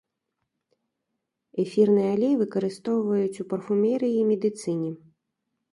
Эфірны алей выкарыстоўваюць у парфумерыі і медыцыне.